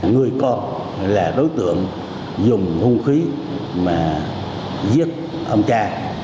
người con là đối tượng dùng hung khí mà giết ông cha